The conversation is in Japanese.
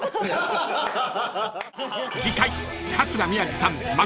［次回］